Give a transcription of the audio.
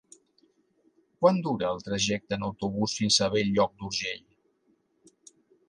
Quant dura el trajecte en autobús fins a Bell-lloc d'Urgell?